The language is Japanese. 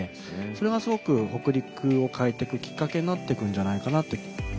それがすごく北陸を変えていくきっかけになっていくんじゃないかなって。